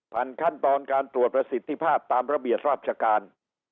ขั้นตอนการตรวจประสิทธิภาพตามระเบียบราชการ